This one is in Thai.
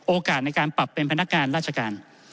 โอกาสในการปรับเป็นพนักงานราชการ